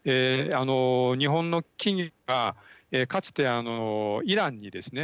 日本の企業が、かつてイランにですね